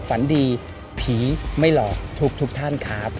ฝันดีผีไม่หลอกทุกท่านครับ